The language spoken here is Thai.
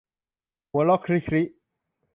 หัวเราะคริคริ